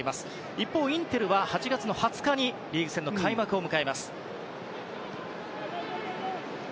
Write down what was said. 一方、インテルは８月２０日にリーグ戦の開幕を迎えます。